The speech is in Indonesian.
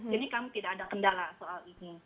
jadi kami tidak ada kendala soal ini